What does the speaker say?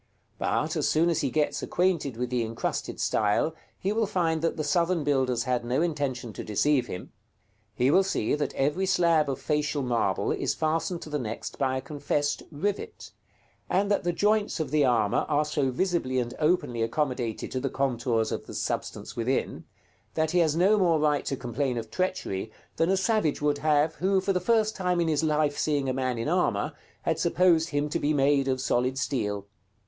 But, as soon as he gets acquainted with the incrusted style, he will find that the Southern builders had no intention to deceive him. He will see that every slab of facial marble is fastened to the next by a confessed rivet, and that the joints of the armor are so visibly and openly accommodated to the contours of the substance within, that he has no more right to complain of treachery than a savage would have, who, for the first time in his life seeing a man in armor, had supposed him to be made of solid steel.